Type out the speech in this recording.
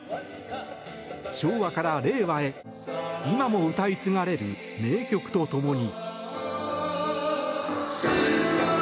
昭和から令和へ今も歌い継がれる名曲とともに。